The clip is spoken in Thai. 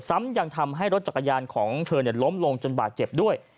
ซ้ำยังทำให้รถจักรยานของเธอล้มลงจนบาดเจ็บด้วย